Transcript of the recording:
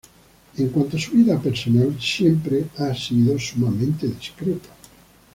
En cuanto a su vida personal, siempre ha sido sumamente discreto.